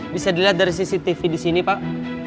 bisa dilihat dari cctv disini pak